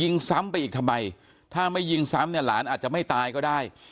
ซ้ำไปอีกทำไมถ้าไม่ยิงซ้ำเนี่ยหลานอาจจะไม่ตายก็ได้